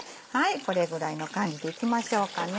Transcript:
これぐらいの感じでいきましょうかね。